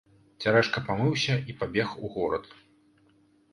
Цярэшка памыўся і пабег у горад.